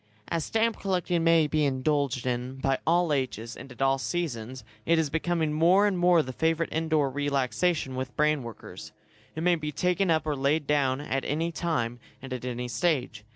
As stamp collecting may be indulged in by all ages, and at all seasons, it is becoming more and more the favourite indoor relaxation with brain workers. It may be taken up or laid down at any time, and at any stage.